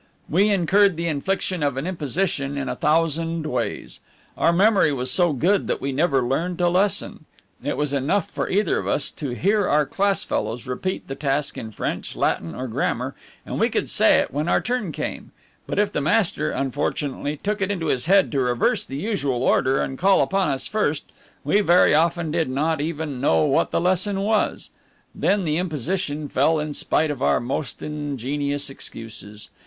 We incurred the infliction of an imposition in a thousand ways. Our memory was so good that we never learned a lesson. It was enough for either of us to hear our class fellows repeat the task in French, Latin, or grammar, and we could say it when our turn came; but if the master, unfortunately, took it into his head to reverse the usual order and call upon us first, we very often did not even know what the lesson was; then the imposition fell in spite of our most ingenious excuses.